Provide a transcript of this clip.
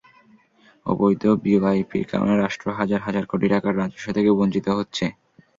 অবৈধ ভিওআইপির কারণে রাষ্ট্র হাজার হাজার কোটি টাকার রাজস্ব থেকে বঞ্চিত হচ্ছে।